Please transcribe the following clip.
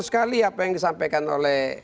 sekali apa yang disampaikan oleh